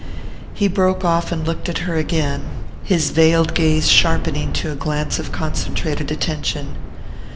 He broke off and looked at her again, his veiled gaze sharpening to a glance of concentrated attention.